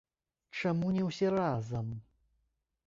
Чаму не ўсе разам?